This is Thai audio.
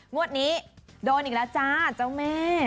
งวดนี้โดนอีกแล้วจ้าเจ้าแม่